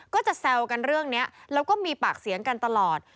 ก็จะแซวกันเรื่องนี้แล้วก็มีปากเสียงกันตลอด